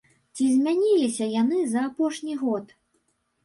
Ці змяніліся яны за апошні год?